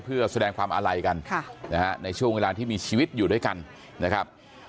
เพื่อแสดงความอาลัยกันในช่วงเวลาที่มีชีวิตอยู่ด้วยกันนะครับ